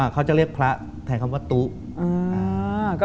เขาจะเรียกพระแทนคำว่าตุ๊